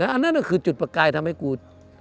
อันนั้นก็คือจุดประกายทำให้กู